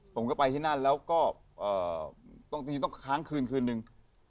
ผมก็ไปที่นั่นแล้วก็จริงต้องค้างคืนคืนนึง